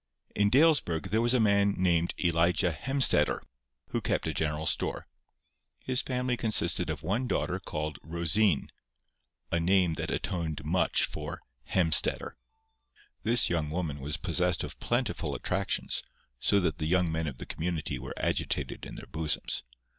In Dalesburg there was a man named Elijah Hemstetter, who kept a general store. His family consisted of one daughter called Rosine, a name that atoned much for "Hemstetter." This young woman was possessed of plentiful attractions, so that the young men of the community were agitated in their bosoms.